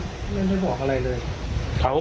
ไม่ได้บอกอะไรเลย